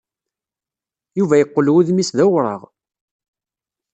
Yuba yeqqel wudem-is d awraɣ.